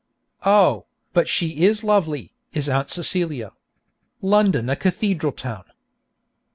Oh, but she is lovely, is Aunt Celia! London a cathedral town!